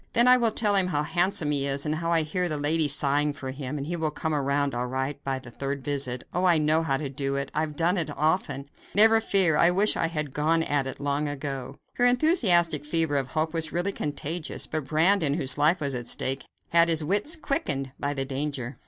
"Then I will tell him how handsome he is, and how I hear the ladies sighing for him, and he will come around all right by the third visit. Oh, I know how to do it; I have done it so often. Never fear! I wish I had gone at it long ago." Her enthusiastic fever of hope was really contagious, but Brandon, whose life was at stake, had his wits quickened by the danger.